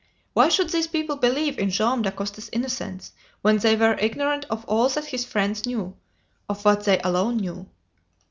Why should these people believe in Joam Dacosta's innocence, when they were ignorant of all that his friends knew of what they alone knew?